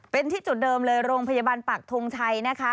เป็นที่จุดเดิมเลยโรงพยาบาลปักทงชัยนะคะ